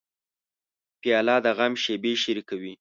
پیاله د غم شېبې شریکوي.